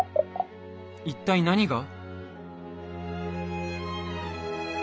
一体何が？